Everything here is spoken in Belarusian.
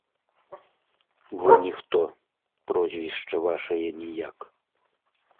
Вы ніхто, прозвішча вашае ніяк.